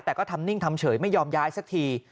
แต่ก็ทำนิ่งทำเฉยไม่ยอมย้ายสักที